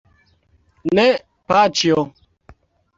Ne, paĉjo.